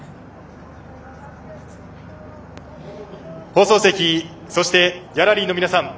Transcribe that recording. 放送席、そしてギャラリーの皆さん。